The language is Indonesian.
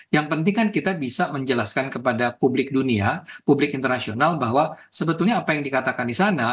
yang penting kan kita bisa menjelaskan kepada publik dunia publik internasional bahwa sebetulnya apa yang dikatakan di sana